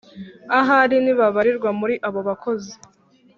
ahari ntibabarirwa muri abo bakozi